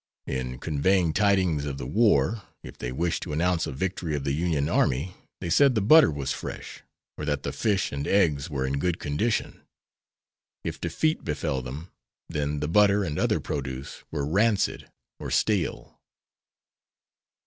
In conveying tidings of the war, if they wished to announce a victory of the Union army, they said the butter was fresh, or that the fish and eggs were in good condition. If defeat befell them, then the butter and other produce were rancid or stale.